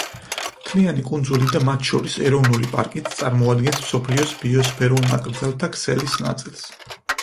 მთლიანი კუნძული და მათ შორის ეროვნული პარკიც წარმოადგენს მსოფლიოს ბიოსფერულ ნაკრძალთა ქსელის ნაწილს.